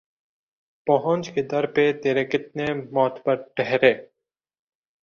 پہنچ کے در پہ ترے کتنے معتبر ٹھہرے